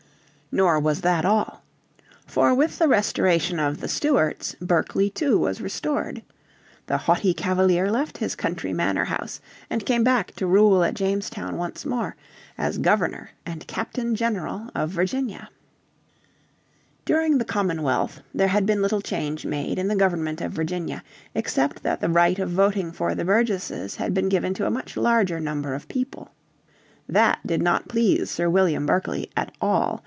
Nor was that all. For with the Restoration of the Stuarts Berkeley too was restored. The haughty Cavalier left his country manor house and came back to rule at Jamestown once more, as Governor and Captain General of Virginia. During the Commonwealth there had been little change made in the government of Virginia, except that the right of voting for the Burgesses had been given to a much larger number of people. That did not please Sir William Berkeley at all.